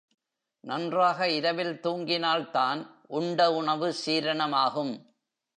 நன்றாக இரவில் தூங்கினால்தான் உண்ட உணவு சீரணமாகும்.